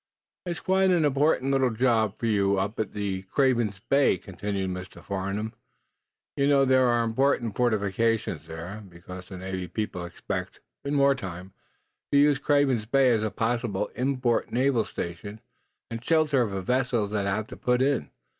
"There's quite an important little job for you up at Craven's Bay," continued Mr. Farnum. "You know, there are important fortifications there, because the Navy people expect, in wartime, to use Craven's Bay as a possibly important naval station and shelter for vessels that have to put in.